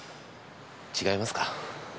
違いますか？